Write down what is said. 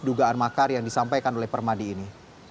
dugaan makar yang disampaikan oleh permadi ini